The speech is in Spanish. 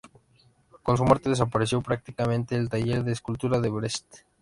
Con su muerte desapareció prácticamente el taller de escultura de Brest.